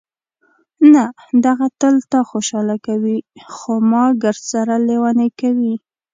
نه، دغه تل تا خوشحاله کوي، خو ما ګردسره لېونۍ کوي.